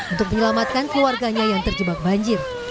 untuk menyelamatkan keluarganya yang terjebak banjir